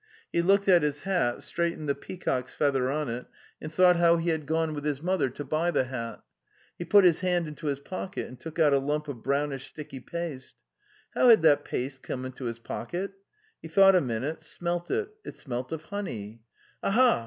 He looked at his hat, straightened the pea cock's feather on it, and thought how he had gone with his mother to buy the hat. He put his hand into his pocket and took out a lump of brownish sticky paste. How had that paste come into his pocket? He thought a minute, smelt it; it smelt of honey. Aha!